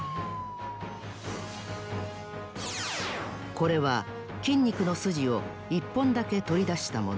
これは筋肉のスジを１ぽんだけとりだしたもの。